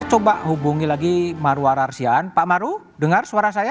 saya coba hubungi lagi marwar arsian pak maru dengar suara saya